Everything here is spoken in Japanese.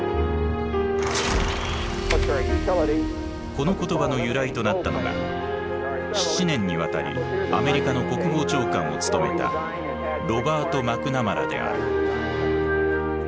この言葉の由来となったのが７年にわたりアメリカの国防長官を務めたロバート・マクナマラである。